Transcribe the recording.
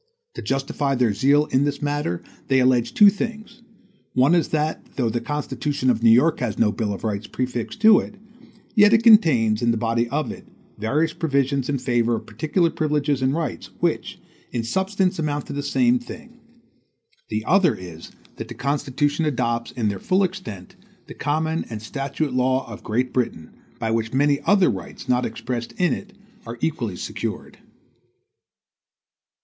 To justify their zeal in this matter, they allege two things: one is that, though the constitution of New York has no bill of rights prefixed to it, yet it contains, in the body of it, various provisions in favor of particular privileges and rights, which, in substance amount to the same thing; the other is, that the Constitution adopts, in their full extent, the common and statute law of Great Britain, by which many other rights, not expressed in it, are equally secured.